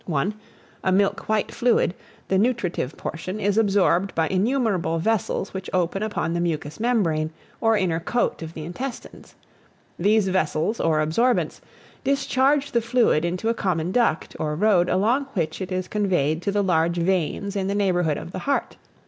One, a milk white fluid, the nutritive portion, is absorbed by innumerable vessels which open upon the mucous membrane, or inner coat of the intestines. These vessels, or absorbents, discharge the fluid into a common duct, or road, along which it is conveyed to the large veins in the neighbourhood of the heart.